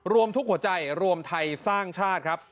รวมทุกหัวใจรวมไทยสร้างชาติครับ